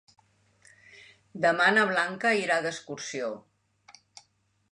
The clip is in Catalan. Demà na Blanca irà d'excursió.